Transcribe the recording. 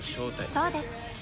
そうです。